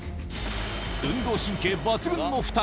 運動神経抜群の２人。